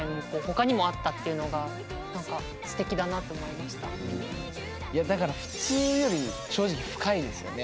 いやもうなんかいやだから普通より正直深いですよね